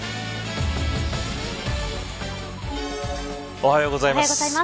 おはようございます。